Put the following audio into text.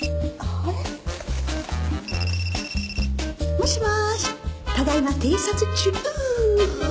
もしもーしただいま偵察中。